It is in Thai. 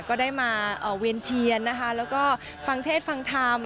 ก็ได้มาเวียนเทียนนะคะแล้วก็ฟังเทศฟังธรรม